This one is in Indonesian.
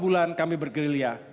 dalam sikap dan setia terhadap prinsip